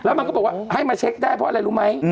มันก็บอกว่าให้มาเช็คได้เพราะอะไรรู้ไหม